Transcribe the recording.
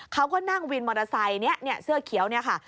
เขาก็นั่งวินมอเตอร์ไซค์นี้เสื้อเขียวเนี่ยค่ะ